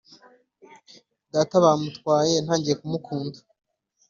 Data bamutwaye Ntangiye kumukunda